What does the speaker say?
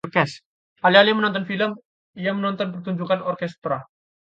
alih-alih menonton film, ia menonton pertunjukan orkestra